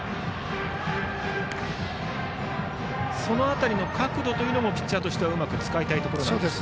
その辺りの角度というのもピッチャーとしてはうまく使いたいところですか。